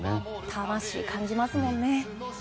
魂を感じますもんね。